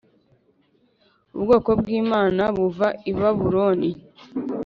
ubwoko bw’imana buva i babuloni